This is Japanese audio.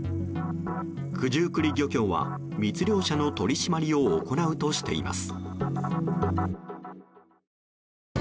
九十九里漁協は密漁者の取り締まりを行うとしています。